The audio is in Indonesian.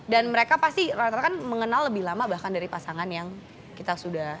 mereka pasti rata rata kan mengenal lebih lama bahkan dari pasangan yang kita sudah